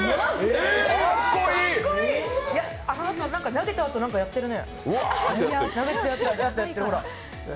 投げたあと何かやってるね。